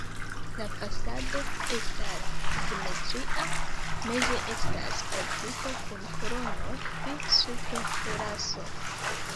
La fasado estas simetria, meze estas portiko kun kolonoj, pli supre teraso.